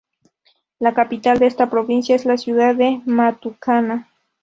La capital de esta provincia es la ciudad de Matucana.